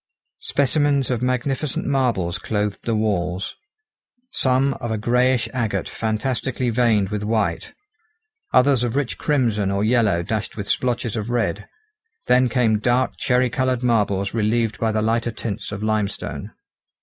Specimens of magnificent marbles clothed the walls, some of a greyish agate fantastically veined with white, others of rich crimson or yellow dashed with splotches of red; then came dark cherry coloured marbles relieved by the lighter tints of limestone.